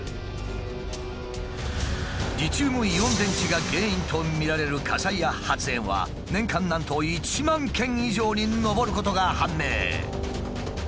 リチウムイオン電池が原因とみられる火災や発煙は年間なんと１万件以上に上ることが判明。